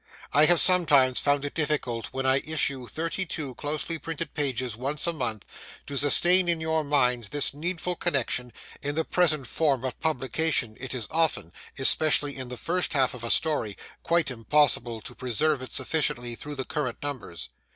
I have sometimes found it difficult when I issued thirty two closely printed pages once a month, to sustain in your minds this needful connection: in the present form of publication it is often, especially in the first half of a story, quite impossible to preserve it sufficiently through the current numbers.